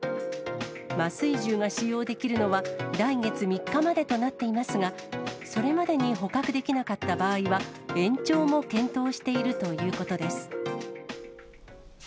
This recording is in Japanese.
麻酔銃が使用できるのは、来月３日までとなっていますが、それまでに捕獲できなかった場合は、延長も検討しているということです。